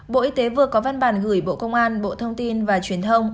bộ y tế vừa có văn bản gửi bộ công an bộ thông tin và truyền thông